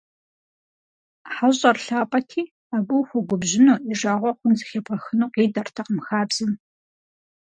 ХьэщӀэр лъапӀэти, абы ухуэгубжьыну, и жагъуэ хъун зыхебгъэхыну къидэртэкъым хабзэм.